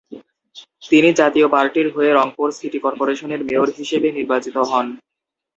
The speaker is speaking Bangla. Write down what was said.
তিনি জাতীয় পার্টির হয়ে রংপুর সিটি কর্পোরেশনের মেয়র হিসেবে নির্বাচিত হন।